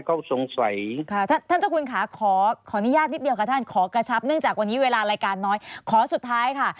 ขอกระชับเนื่องจากวันนี้เวลารายการน้อยขอสุดท้ายค่ะ